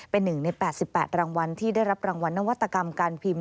เป็นหนึ่งใน๘๘รางวัลที่ได้รับรางวัลนวัตกรรมการพิมพ์